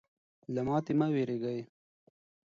له ماتې مه ویرېږئ.